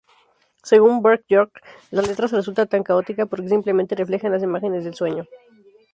Según Bjork, la letra resulta tan caótica porque simplemente reflejan las imágenes del sueño.